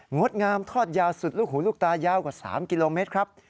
ดงามทอดยาวสุดลูกหูลูกตายาวกว่า๓กิโลเมตรครับ